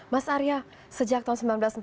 mas arya sejak tahun seribu sembilan ratus empat puluh